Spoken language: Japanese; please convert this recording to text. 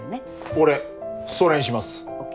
俺それにします！ＯＫ。